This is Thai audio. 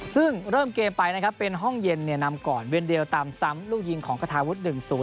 ซึ่งเริ่มเกมไปนะครับเป็นห้องเย็นนำก่อนเวียนเดียวตามซ้ำลูกยิงของคาทาวุฒิ๑๐